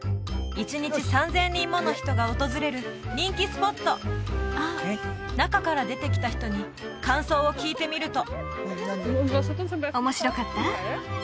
１日３０００人もの人が訪れる人気スポット中から出てきた人に感想を聞いてみると面白かった？